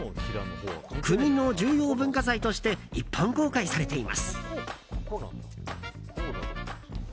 国の重要文化財として一般公開されています。